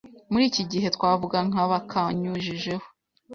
muri iki gihe twavuga nka bakanyujijeho